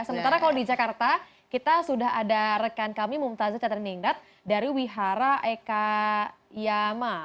sementara kalau di jakarta kita sudah ada rekan kami mumtazah caterningdat dari wihara ekayama